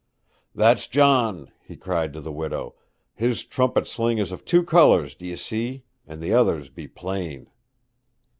'That's John!' he cried to the widow. 'His trumpet sling is of two colours, d'ye see; and the others be plain.'